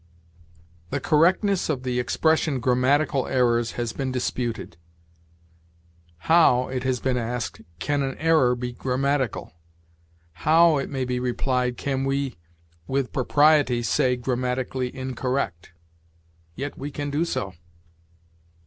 "The correctness of the expression grammatical errors has been disputed. 'How,' it has been asked, 'can an error be grammatical?' How, it may be replied, can we with propriety say, grammatically incorrect? Yet we can do so.